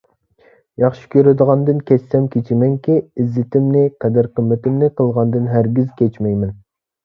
ياخشى كۆرىدىغاندىن كەچسەم كېچىمەنكى، ئىززىتىمنى، قەدىر-قىممىتىمنى قىلغاندىن ھەرگىز كەچمەيمەن.